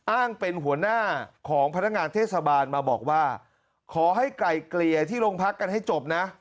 อ้างเป็นหัวหน้าของพนักงานเทศบาลมาบอกว่าขอให้ไกลเกลี่ยที่โรงพักกันให้จบนะ